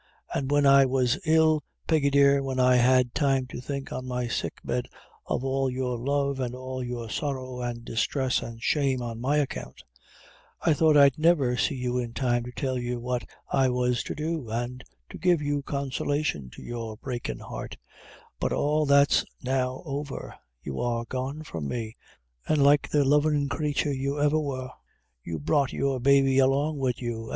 An' when I was ill, Peggy dear, when I had time to think on my sick bed of all your love and all your sorrow and distress and shame on my account, I thought I'd never see you in time to tell you what I was to do, an' to give consolation to your breakin' heart; but all that's now over; you are gone from me, an' like the lovin' crathur you ever wor, you brought your baby along wid you!